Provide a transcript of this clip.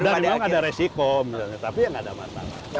udah memang ada resiko tapi ya nggak ada masalah